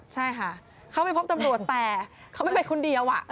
ใช่ค่ะเขาไปพบตำรวจแต่เขาไม่ไปคนเดียว